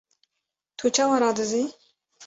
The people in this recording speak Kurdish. Tu çawa radizî?!